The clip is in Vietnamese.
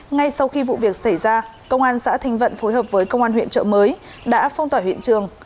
ngay sau khi vụ việc xảy ra công an xã thanh vận phối hợp với công an huyện trợ mới đã phong tỏa hiện trường